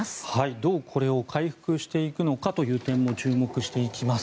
どう、これを回復していくのかという点も注目していきます。